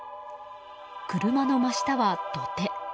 車の真下は、土手。